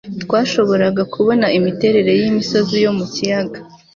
twashoboraga kubona imiterere yimisozi yo mu kiyaga